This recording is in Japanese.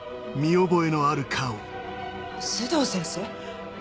須藤先生？